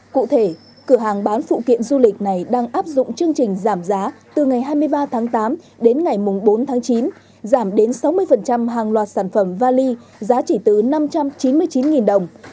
cụ thể cửa hàng bán phụ kiện du lịch này đang áp dụng chương trình giảm giá từ ngày hai mươi ba tháng tám đến ngày bốn tháng chín giảm đến sáu mươi hàng loạt sản phẩm vali giá chỉ từ năm trăm chín mươi chín đồng